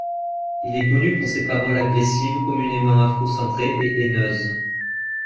Il est connu pour ses paroles agressives communément afro-centrés et haineuses.